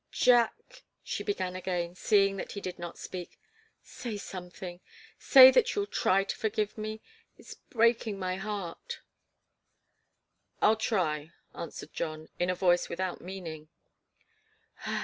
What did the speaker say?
"Jack," she began again, seeing that he did not speak, "say something say that you'll try to forgive me. It's breaking my heart." "I'll try," answered John, in a voice without meaning.